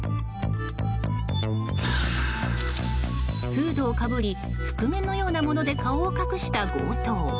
フードをかぶり覆面のようなもので顔を隠した強盗。